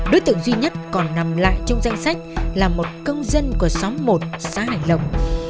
đối tượng duy nhất còn nằm lại trong danh sách là một công dân của xóm một xã hải lộng